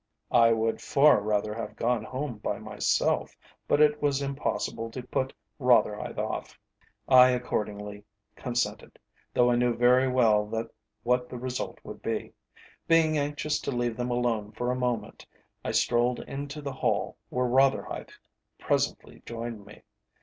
I would far rather have gone home by myself, but it was impossible to put Rotherhithe off. I accordingly consented, though I knew very well what the result would be. Being anxious to leave them alone for a moment, I strolled into the hall, where Rotherhithe presently joined me.